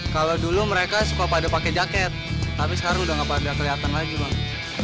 kalau dulu mereka suka pada pakai jaket tapi sekarang udah gak pada kelihatan lagi bang